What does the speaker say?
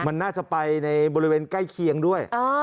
มันน่าจะไปในบริเวณใกล้เคียงด้วย